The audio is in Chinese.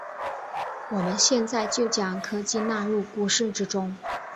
我们现在就将科技纳入故事之中。